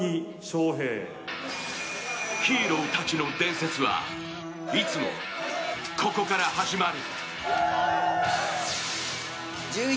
ヒーローたちの伝説は、いつもここから始まる。